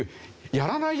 「やらないよ」